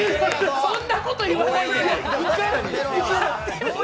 そんなこと言わないで。